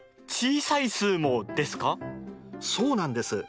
そうなんです。